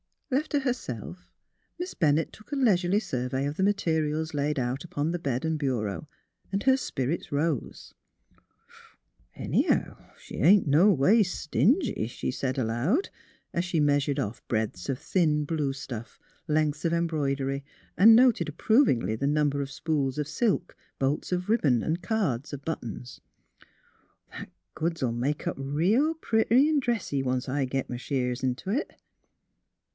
Left to herself, Miss Bennett took a leisurely survey of the materials laid out upon the bed and bureau, and her spirits rose. '' Anyhow, she ain't no ways stingy," she said, aloud, as she measured off breadths of thin blue stuff, lengths of embroidery, and noted approv ingly the number of spools of silk, bolts of ribbon, and cards of buttons. " That goods '11 make up reel pretty an' dressy, once I git m' sheers int' it."